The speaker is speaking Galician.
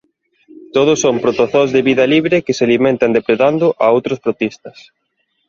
Todos son protozoos de vida libre que se alimentan depredando a outros protistas.